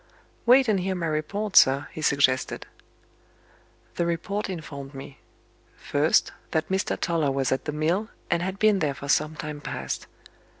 "Wait and hear my report, sir," he suggested. The report informed me: First, that Mr. Toller was at the mill, and had been there for some time past.